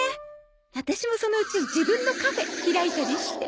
ワタシもそのうち自分のカフェ開いたりして。